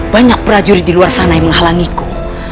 banyak prajurit di luar sana yang menghalangiku